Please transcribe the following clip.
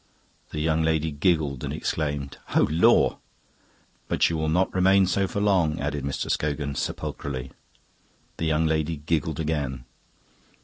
The young lady giggled and exclaimed, "Oh, lor'!" "But you will not remain so for long," added Mr. Scogan sepulchrally. The young lady giggled again.